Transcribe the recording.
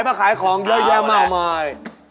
มาขายของเยอะแยะมากมาย